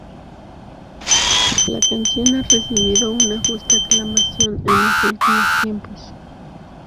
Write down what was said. La canción ha recibido una justa aclamación en los últimos tiempos.